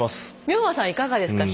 明和さんいかがですか？